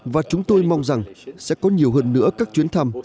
và chúng tôi mong rằng sẽ có nhiều hơn nữa các chuyến thăm